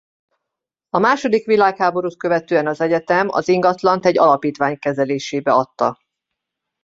A második világháborút követően az egyetem az ingatlant egy alapítvány kezelésébe adta.